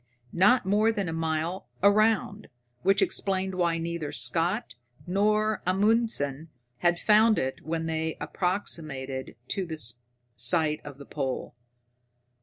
Not more than a mile around, which explained why neither Scott nor Amundsen had found it when they approximated to the site of the pole.